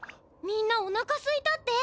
みんなおなかすいたって！